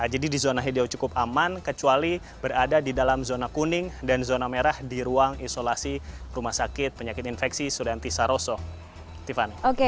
jadi di zona hijau cukup aman kecuali berada di dalam zona kuning dan zona merah di ruang isolasi rumah sakit penyakit infeksi sudah antisa rosso